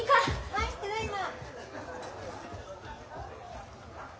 はいただいま。